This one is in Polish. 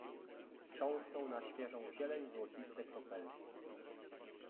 Strząsnął na świeżą zieleń złociste kropelki.